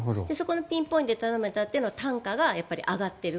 ピンポイントで頼めたっていうと単価が上がっていく。